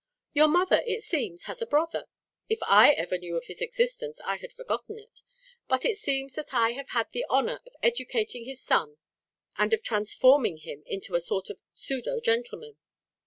"Your mother, it seems, has a brother. If I ever knew of his existence, I had forgotten it. But it seems that I have had the honour of educating his son and of transforming him into a sort of pseudo gentleman."